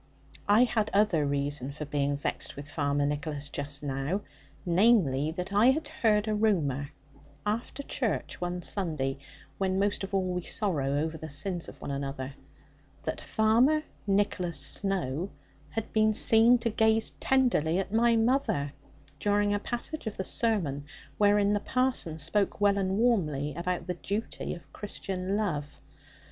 I had other reason for being vexed with Farmer Nicholas just now, viz. that I had heard a rumour, after church one Sunday when most of all we sorrow over the sins of one another that Master Nicholas Snowe had been seen to gaze tenderly at my mother, during a passage of the sermon, wherein the parson spoke well and warmly about the duty of Christian love.